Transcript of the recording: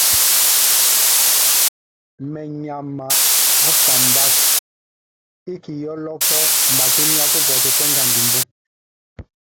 Menyama mbʼ a fambak ɛ́kɛ yʼ ɔ́lɔk, mba tú ŋoniako buɔ́sɛ bo ekotan o bó.